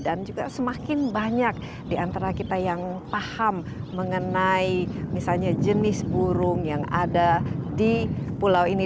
dan juga semakin banyak diantara kita yang paham mengenai misalnya jenis burung yang ada di pulau ini